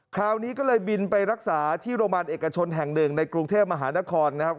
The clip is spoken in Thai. คราวนี้ก็เลยบินไปรักษาที่โรงพยาบาลเอกชนแห่งหนึ่งในกรุงเทพมหานครนะครับ